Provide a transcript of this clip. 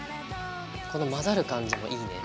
この混ざる感じもいいね。